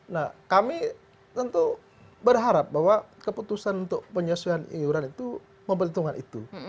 nah kami tentu berharap bahwa keputusan untuk penyesuaian iuran itu memperhitungkan itu